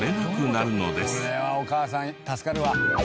これはお母さん助かるわ。